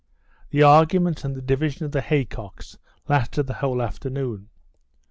The arguments and the division of the haycocks lasted the whole afternoon.